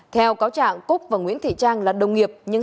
theo cáo trạng cúc và nguyễn thị trang là đồng nghiệp nhưng